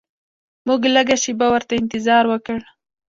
موږ لږه شیبه ورته انتظار وکړ.